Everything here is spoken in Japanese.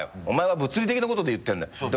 お前は物理的なことで言ってんだよ。